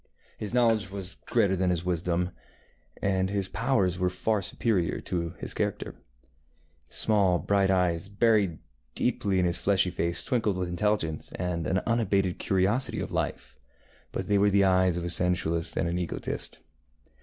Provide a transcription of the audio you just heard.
His knowledge was greater than his wisdom, and his powers were far superior to his character. The small bright eyes, buried deeply in his fleshy face, twinkled with intelligence and an unabated curiosity of life, but they were the eyes of a sensualist and an egotist.